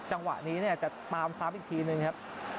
จังหวะนี้เนี่ยจะตามซ้ำอีกทีนึงครับ